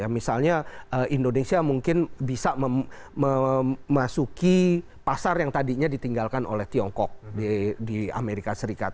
misalnya indonesia mungkin bisa memasuki pasar yang tadinya ditinggalkan oleh tiongkok di amerika serikat